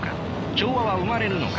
調和は生まれるのか。